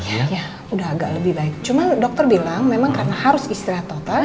sudah agak lebih baik cuma dokter bilang memang karena harus istirahat total